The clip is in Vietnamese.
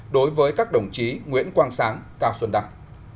đối với các đồng chí nguyễn quang sáng cao xuân đăng